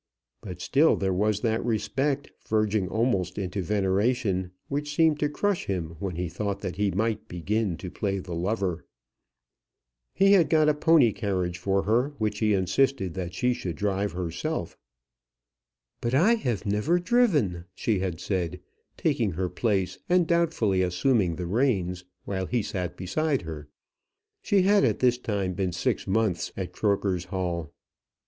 But still there was that respect, verging almost into veneration, which seemed to crush him when he thought that he might begin to play the lover. He had got a pony carriage for her, which he insisted that she should drive herself. "But I never have driven," she had said, taking her place, and doubtfully assuming the reins, while he sat beside her. She had at this time been six months at Croker's Hall.